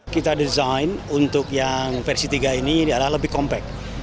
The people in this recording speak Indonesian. kita desain untuk yang versi tiga ini adalah lebih compact